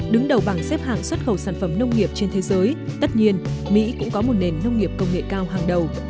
đứng đầu bảng xếp hạng xuất khẩu sản phẩm nông nghiệp trên thế giới tất nhiên mỹ cũng có một nền nông nghiệp công nghệ cao hàng đầu